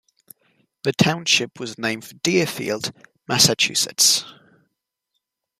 The township was named for Deerfield, Massachusetts.